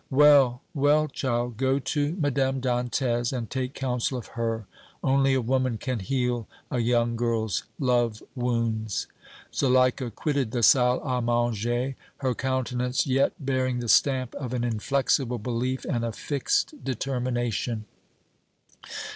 "Well, well, child, go to Madame Dantès and take counsel of her. Only a woman can heal a young girl's love wounds." Zuleika quitted the salle à manger, her countenance yet bearing the stamp of an inflexible belief and a fixed determination.